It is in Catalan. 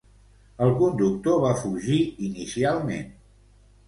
El conductor va fugir inicialment.